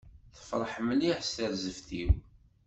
Tefreḥ mliḥ s terzeft-iw.